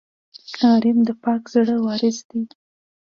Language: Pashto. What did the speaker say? غریب د پاک زړه وارث وي